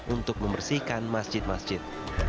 untuk membersihkan masjid masjid